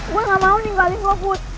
gua gak mau nih nggaling gua put